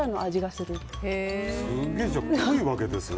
すげえ、じゃあ濃いわけですね。